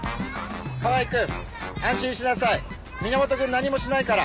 川合君安心しなさい源君何もしないから。